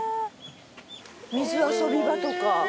水遊び場とか。